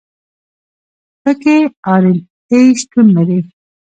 پکې آر این اې شتون لري.